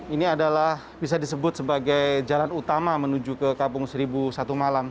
ini adalah bisa disebut sebagai jalan utama menuju ke kampung seribu satu malam